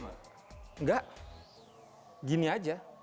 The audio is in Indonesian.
enggak gini aja